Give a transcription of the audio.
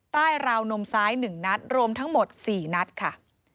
ราวนมซ้าย๑นัดรวมทั้งหมด๔นัดค่ะ